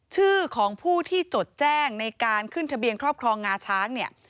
ชื่อของผู้ที่จดแจ้งในการขึ้นทะเบียนครอบครองงาช้างเนี่ย